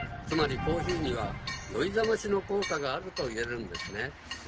つまりコーヒーには酔いざましの効果があると言えるんですね。